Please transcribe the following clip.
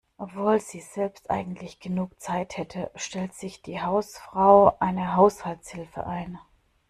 Obwohl sie selbst eigentlich genug Zeit hätte, stellt sich die Hausfrau eine Haushaltshilfe ein.